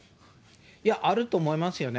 いや、あると思いますよね。